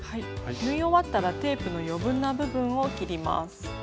縫い終わったらテープの余分な部分を切ります。